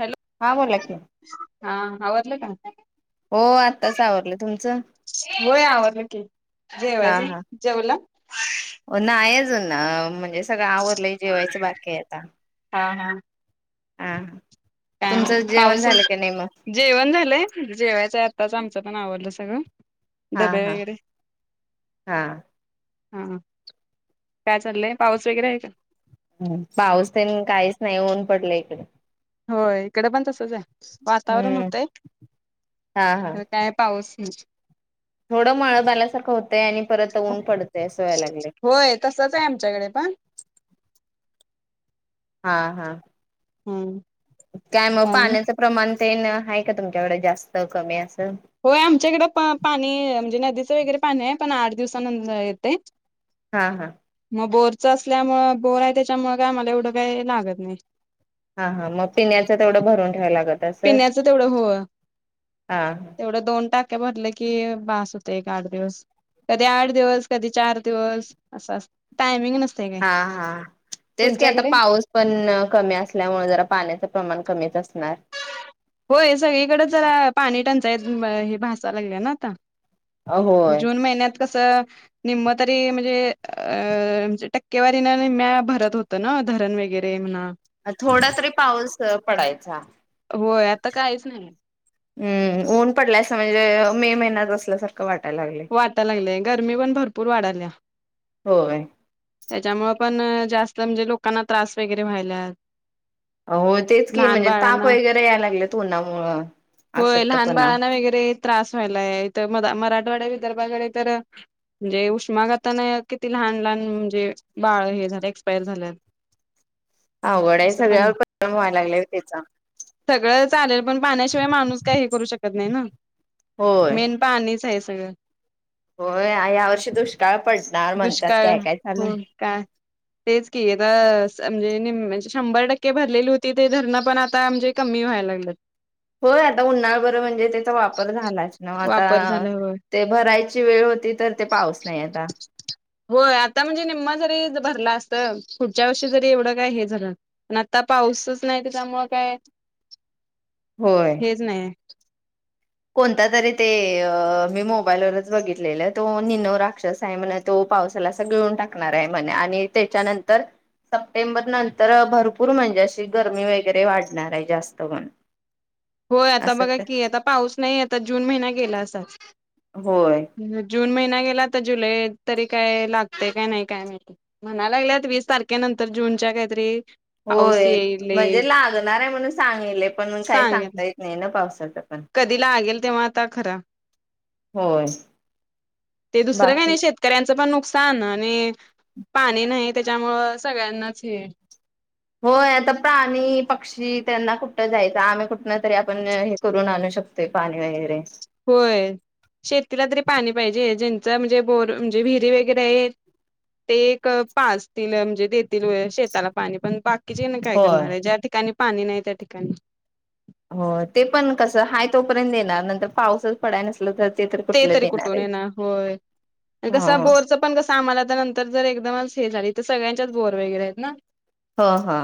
Hello हा बोला की. हा आवरल काय? हो आत्ताच आवरलं तुमचं होय आवरल की हा जेवायच हा जेवला? ह म्हणजे सगळं आवरलं जेवायचं बाकी आहे आता. [unintelligible] हा काय म तुमचं जेवण पाऊस झालं की नाही मग हाय? जेवण झालंय जेवायच आहे. अताच आमचं पण आवरल सगळं. हा- डबे हा वगैरे -हा हा काय चाललंय पाऊस वगैरे आहे का? पाऊस तेन काहीच नाही ऊन पडलं इकडे होय इकडे पण तसच आहे वातावरण हम्म होतंय हा हा काय पाऊस. थोडं मळ्यात आल्यासारखं होतंय आणि परत ऊन पडतय असं व्हायला लागलय. होय तसच आहे आमच्याकडे पण हा हा हम्म काय मग पाण्याचं प्रमाण तेन आहे का तुमच्याकडे जास्त कमी अस होय आमच्याकडे पाणी म्हणजे नदी वगैरे पाणी आहे पण आठ दिवसानंतर येते हा हा मग बोरचं असल्यामुळे बोर आहे त्याच्यामुळे काय आम्हाला एवढं काय लागत नाही हा हा मग पिण्याचं तेवढं भरून ठेवाय लागत असेल पिण्याचं तेवढं हो हा तेवढं दोन टाक की बस होत आठ दिवस कधी आठ दिवस कधी चार दिवस असामिंग हा हा तेच की आता पाऊस पण कमी असल्यामुळे जरा पाण्याचा प्रमाण कमीच असणार होय सगळीकडे जरा पाणी टंचाईत हे भसाव लागलं ना आता होय जून महिन्यात कसं निम्म तरी म्हणजे अ म्हज टक्केवारीने निम्या भरत होतं ना धरण वगैरे म्हणा थोडा तरी पाऊस पडायचा होय आता काहीच नाही हम्म ऊन पडला असं म्हणजे मे महिन्यात असल्यासारखं वाट वाटा लागलेय गरमी पण भरपूर वाढाल्या होय. त्याच्यामुं पण जास्त म्हणजे लोकांना त्रास वगैरे व्हायला हो तेच की लहान म्हणजे ताप बाळांना वगैरे याय लागले तोनामुळं होय लहान बाळांना वगरे त्रास व्हायलाय त मरा मरा मठवाड्या विदर्भाकडे तर म्हणजे उष्माघातान किती लहान लहान म्हणजे बाळ हे झाल एक्यर झाल्यात. अघडा सगळ्यावर परम व्हायला लागल्या त्याचा ण काही हे करू शकत नाही होय मेन पाणीच आहे. [unintelligible] होय या वर्षी दुष्काळ पडणार म्हणतात दुष्काळ काय काय चालंय हो काय तेच की आता म्हणजे म्हणजे शंभर टक्के भरलेली होती ते धरणं पण आता म्हणजे कमी व्हायला लागलेत. होय आता उन्हाळा बरं म्हणजे त्याचा वापर झालाच ना आता वापर झाल्यावर ते भरायची वेळ होती तर ते पाऊस नाही आता हो आता म्हणजे निम्मा जरी भरला असत पुढच्या वर्षी जरी एवढं काय हे झालं पण आता पाऊसच नाही त्याच्यामुळ काय होय हेच नाहीय कोणता तरी ते मी मोबाईलवरच बघितलेलं तो निनो राक्षस आहे म्हण तो पावसाला स घळऊन टाकणार आहे म्हणे आणि त्याच्यानंतर सप्टेंबर नंतर भरपूर म्हणजे अशी गर्मी वगैरे वाढणार आहे जास्त म्हण होय आता बघ की आता पाऊस नाही आता जून महिना गेला असाच होय जून महिना गे जुलै तरी काय लागते का नाही काय म्हणाला लाग वीस तारखेनंतर जूनच्या काहीतरी पाऊस होय येईल म्हणजे येईल लागणार आहे म्हणून सांगले पण काय सांग सांगेल ता येत नाही ना. पावसात कधी ला लागेल तेव्हा आता खरा होय ते दुसरं काही बाकी नाही शेतकऱ्यांच पण नुक सान आणि पाणी नाही त्याच्यामुळ सगळ्यांनाच हे होय आता प्राणी पक्षी त्यांना कुठं जायचं आम्ही कुठन तरी आपण हे करून आणू शकतोय पाणी वगैरे होय शेतीला तरी पाणी पाहिजे ज्यांच म्हणजे बोर म्हणजे विरी वगैरे आहे ते पाचतील म्हणजे देतील शेताला पाणी पण बाक कीच्यांन काय होय. करणार आहे ज्या ठिकाणी पाणी नाही त्या ठिकाणी हो ते पण कस हा तोपर्यंत देणार नंतर पाऊसच पडाय नसल तर तर ते कुठलं तरी देणार कुठून आहे. ये ना होय ह कसं बोरचं पण कस आम्हाला तर नंतर जर एकदमच हे झाली तर सगळ्यांच्याच बोर वगैरे आहेत ना हा हा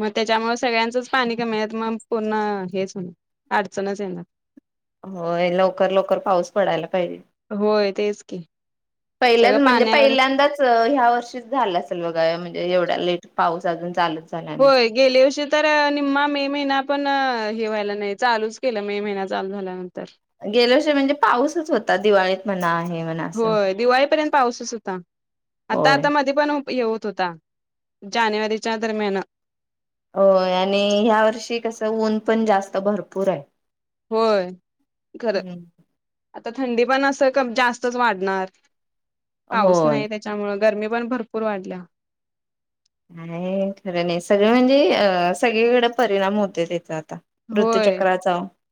मग त्याच्यामुळे सगळ्यांचंच पाणी कमीत मग पूर्ण हेच हो अडचणच येणार हो लवकर लवकर पाऊस पडायला पाहिजे होय तेच की पहिल्याच सगळं म्हणजे पाण्यावरच पहिल्यांदाच ह्या वर्षीच झालं असेल बघा म्हणजे एवढा लेट पाऊस अजून चालू होय गेले अस तर निम्मा मे महिना पण हे व्हायला नाही चालूच केलं मे महिना चालू झाल्या गेल्याषयी म्हणजे पाऊसच होतात दिवाळीत म्हना होय दिवाळीपर्यंत पाऊसच होता आता होय. आता मध्ये पण हे होत होता जानेवारीच्या दरम्यान हो आणि ह्या वर्षी कस ऊन पण जास्त भरपूर आहे होय खरं हम्म आता थंडी पण असं जास्तच वाढणार पाऊस होय नाही त्याच्यामु गरमी पण भरपूर वाढल्या नाही खरं नाही सगळ म्हणजे अ सगळीकडे परिणाम होते त्याच्यात होय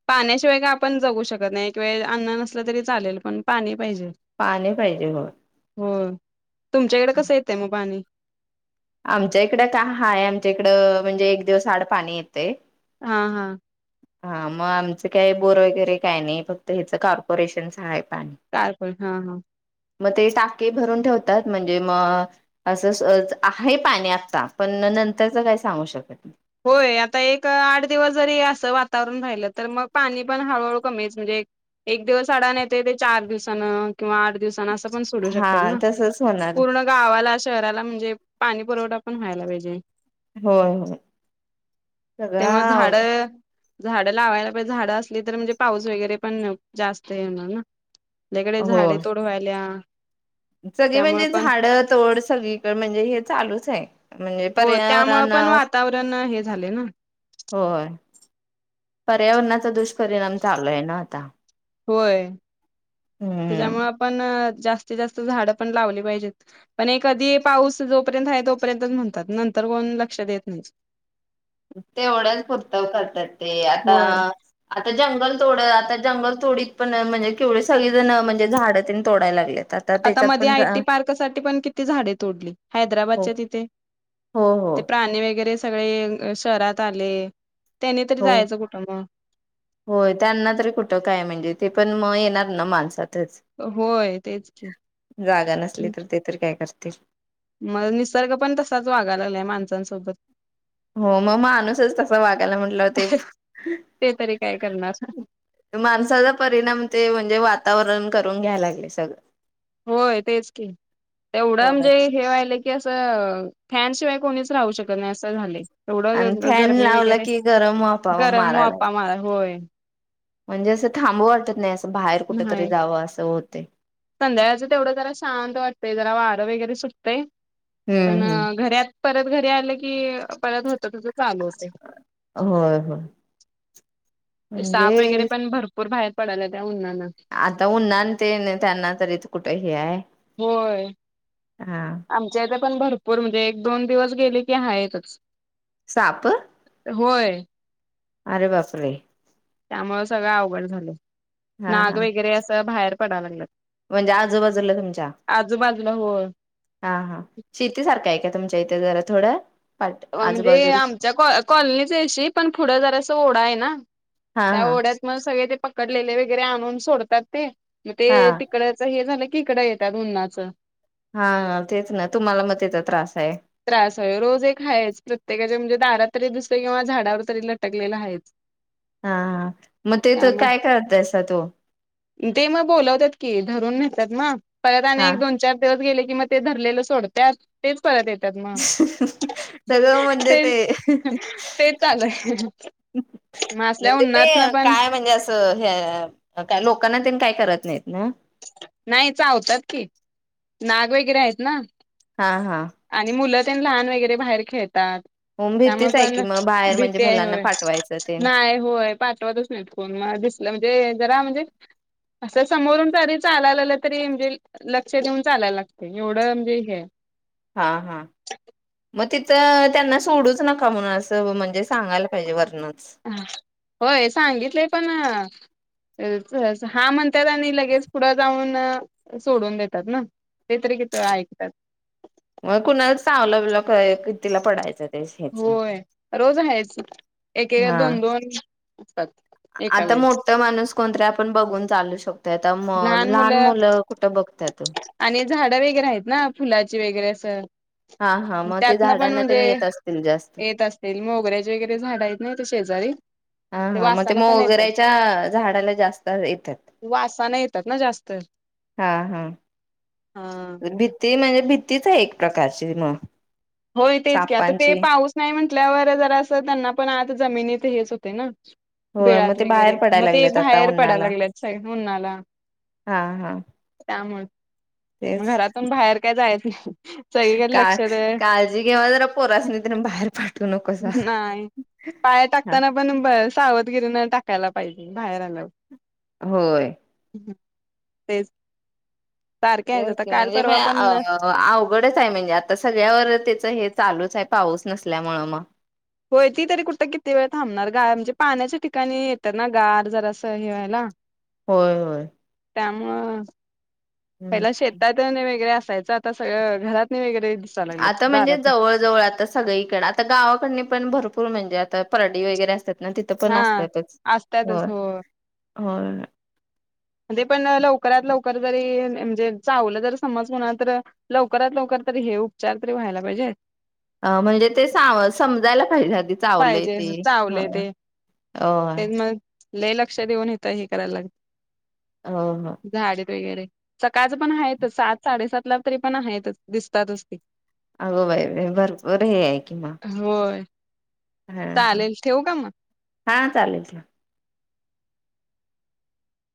पाण्याशिवाय का आपण जगू शकत नाही एक वे अन्न नसलं तरी चालेल पण पाणी पाहिजे पाणी पाहिजे होय हो तुमच्याकडे कस येतय मग पाणी आमच्या इकडं का हाय आमच्या इकडं म्हणजे एक दिवस आड पाणी येते हा हा हा मग आमचं काय बोर वगैरे काय नाही फक्त ह्याचं कॉर्पोरेशनच आहे पण कारकण हा हा मग ते टाके भरून ठेवतात म्हणजे मग असं आहे पाणी आत्ता पण नंतरच काय सांगू शकत होय आता एक आठ दिवस जरी असं वातावरण राहिलं तर मग पाणी पण हळूहळू कमीच म्हणजे एक दिवस अडाण येते ते चार दिवसान किंवा आठ दिवसन नाही हा तसच होणार पवा शहराला म्हणजे पाणी पुरवठा पण व्हायला पाहिजे होय हो तेमुळे झाड झाडं लावायला पाहिजे झाडं असली तर म्हणजे पाऊस वगैरे पण जास्त येणार ना कडे होय झाडे तोडवायल्या सगळी म्हणजे झाड तोड सगळीकडे म्हणजे हे चालूच आहे म्हणजे हो त्यामुळं पर्यावरण पण वातावरण हे झा दुष्पिणाम चालूय ना आता होय हम्म त्याच्यामु आपण जास्तीत जास्त झाड पण लावली पाहिजेत पण एक कधी पाऊस जोपर्यंत आहे तोपर्यंतच म्हणतात नंतर कोण लक्षात देत नाही तेवढंच पुर्त करतात ते आता होय. आता जंगल तेोड आता जंगल तोडीत पण म्हणजे केवढे सगळी जण म्हणजे झाडं तोडायला लागले आता मध्ये आयटी पार्कसाठी पण किती झाडे तोडली हो हैदराबादच्या तिथे हो हो ते प्राणी वगैरे सगळे शहरात आले त्यानी तरी हो जायचं कुठं मग होय त्यांना तरी कुठं काय म्हणजे ते पण मग येणार ना माणसात होय तेच की. जागा नसली तर ते तर काय करत ते मग निसर्ग पण तसाच वागायला लागलाय माणसांसोबत हो मग माणूसच तसा वागायला म्हटलं होते ते तरी काय करणार. माणसाचा परिणाम ते म्हणजे वा वातावरण करून घ्यायला लागले सगळ होय तेच क तेवढं होय. म्हणजे हे वहिलं की असं फॅशिवाय कोणीच राहू शकत नाही असं झाले आणि एवढं फॅन गरमी लावला वगैरे की गरम वाफा गरम मारायला वापा लागले. मला होय म्हणजे असं थांबं वाटत नाही बाहेर कुठेतरी नाही जावं असं होत ते संध्याकाळचं तेवढं जरा शांत वाटतय जरा वारं वगैरे सुटतंय पण हम्म हम्म. घरात परत घरी आलं की पर होत तुझं चालूच आहे होय होय ते साप वगैरे म्हणजे पण भरपूर बाहेर पडाला येवला आता उन्हान ते त्यांना तरी कुठे हे आहे होय हा आमच्या इथे पण भरपूर म्हणजे एक दोन दिवस गेले की हाईतच साप होय अरे बापरे त्यामुळे सगळं अवघड झालं हा नाग हा वगैरे असं बाहेर पडाय लागलेत म्हणजे आजूबाजूला तुमच्या आजूबाजूला हो हा हा शेती सारखा आहे का तुमच्या इथे जरा थोडं पाट म्हणजे आजूबाजूला आमच्या कॉलनी पाशी पण पुढं जरा ओढा आहे ना हा त्या हा ओढ्यात मग सगळे ते पकडलेले वगैरे आणून सोडतात ते मग ते तिकडयचं हे झालं तकड येतात उन्हानाचं हा तेच ना तुम्हाला मग तेचा त्रास आहे त्रास आहे रोज एक ह आहेच प्रत्येकाचे म्हणजे दारात तरी दुसरं किंवा झाडावर तरी लटकलेलं आहे हा हा मग तेथ काय करतायसा तू ते मग बोलवतायेत की धरून देता येत ना परत आणि हा एक दोन चार दिवस गेले किं ते धरलेलं सोडत मग तेच परत येत सगळं म्हणजे ते तेच चालू आहे मग असल्या म्हणजे ते उन्हात ना पण काय म्हणजे अस ह लोकांना ते काय करत नाहीत ना नाही चावतात कि नाग वगैरे आहेत ना हा हा आणि मुलं लहान वगैरे बाहेर खेळ त्यात मग त्यामुळे भीतीच आहे पण की मग बाहेर म्हणजे भीतीय मुलांना होय पाठवायचं तेन नाई होय पाठवतच नाहीत कोण मस म्हणजे जरा म्हणजे असं समोरून तरी चालायला आलं तरी म्हणजे लक्ष देऊन चालायला लागतय एवढं म्हणजे हेय हा हा मग तिथं त्यांना सोडूच नका म्हणून असं म्हणजे सांगायला पाहिजे वरन ह होय सांगितलेय पण हा म्हणत्यात आणि लगेच पुढं जाऊन सोडून देत्यात ना तेज्ञतरी किती वेळा ऐकत्यात मग कुणा चांगलं तिला कितीला पडायचं ते तेच हेच होय रोज आहेच एकेका दोन दोन असतात एका वेळे कोणतर आपण बघून चालू शकतो आता म लहान मुलं कुठं बघत्यात आणि झाडं वगैरे आहेत ना फुलाचे वगैरे असं हा हा मग ते त्यातनं पण झाडांना म्हणजे त्याने येत असतील जास्त येत असतील मोगऱ्याचे वगैरे झाडं आहेत ना ते शेजारी हा ते हा मग ते वासान पण येत्यात मोगऱ्याच्या झाडाला जास्त येतात वासाना येत्यात ना जास्त हा हा हा. भीती म्हणजे भीतीच हाय एक प्रकारची मग होय तेच घ्या आता ते सापांची पाऊस नाही म्हटल्यावर जरा असं त्यांना पण आता जमिनीत हेच होतय ना होय मग बिळात ते बाहेर वगैरे मग पडायला ते लागलेत आता बाहेर पडायला उन्हाला लागल्यात सग उन्हाला हा हा त्यामुळे तेच घरातून बाहेर काय जायचं ह सगळीकडे का लक्षात आहे काळजी घेवा जरा पोरासनी तर बाहेर पाठवू नकोसा नाही पाय टाकताना पण सावधगिरी न टाकायला पाहिजे बाहेर आल्यावर होय तेच सारखे ते आहेत आता काल म्हणजे परवा पण अआ अवघडचय म्हणजे आता सगळ्यावर त्याच हेचय चालूचय पाऊस नसल्यामुळं मग होय ती तरी कुठं किती वेळ थांबणार गार म्हणजे पाण्याच्या ठिकाणी येत ना गार जरा अस हे वा्हायला होय होय त्यामुळ पहिला हम्म शेतात तेन वगरे अस असयचं आता सगळ घरातनी वगैरे दिसाय लागलेत आता म्हणजे दारात जवळ जवळ आता सगळीकडे आता गावाकडनी पण भरपूर म्हणजे आता परडी वगैरे असत्यात हां असतातच हो होय पण लवकरात लवकर जरी नाही म्हणजे चावलं जर समजल ना तर लवकरात लवकर तरी हे उपचार तरी व्हायला पाहिजे अ म्हणजे ते सा समजायला पाहिजे आधी चावलंय पाहिजे ते चावले होय लई लक्षात देऊन हित हे करायला लागेल हो हो वगैरे सकाळच पण आहेत सात साडेसात ला तरी पण आहेतच दिसतातच ते अगं बाई बाई भरपूर हे आहे की म होय चालेल ठेवू का मग हां चालेल ठेव